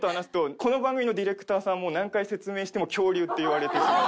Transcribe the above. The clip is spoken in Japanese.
この番組のディレクターさんも何回説明しても恐竜って言われてしまって。